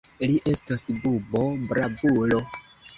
Li estos bubo-bravulo!